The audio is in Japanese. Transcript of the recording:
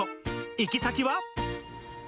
行き先は？